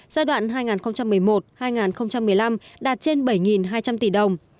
giai đoạn hai nghìn một mươi một hai nghìn một mươi năm đạt trên bảy hai trăm linh tỷ đồng